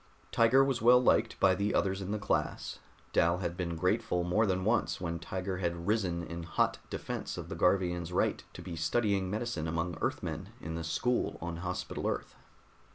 Tiger was well liked by the others in the class; Dal had been grateful more than once when Tiger had risen in hot defense of the Garvian's right to be studying medicine among Earthmen in the school on Hospital Earth.